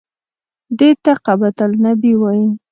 دې ته قبة النبي وایي.